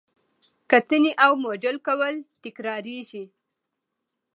کتنې او موډل کول تکراریږي.